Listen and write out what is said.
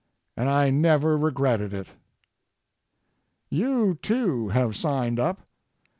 And I never regretted it. You, too, have signed up.